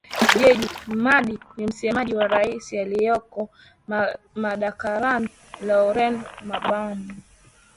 jeje madi ni msemaji wa rais aliyeko madarakani lauren bagbo